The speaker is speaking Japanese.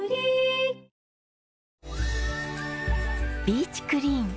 ビーチクリーン。